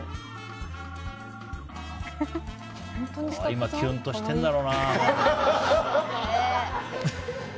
今、キュンとしてるんだろうな。